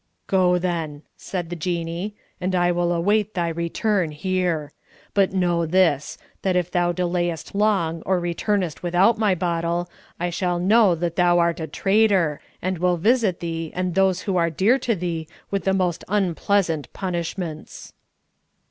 "Go, then," said the Jinnee, "and I will await thy return here. But know this: that if thou delayest long or returnest without my bottle, I shall know that thou art a traitor, and will visit thee and those who are dear to thee with the most unpleasant punishments!"